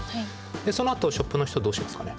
でそのあとショップの人どうしますかね？